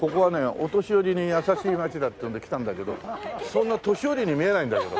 お年寄りに優しい街だっていうので来たんだけどそんな年寄りに見えないんだけど。